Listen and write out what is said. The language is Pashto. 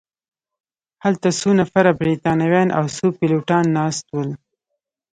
هلته څو نفره بریتانویان او څو پیلوټان ناست ول.